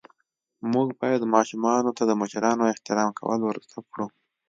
موږ باید ماشومانو ته د مشرانو احترام کول ور زده ڪړو.